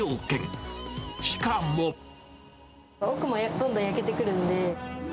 奥もどんどん焼けてくるんで。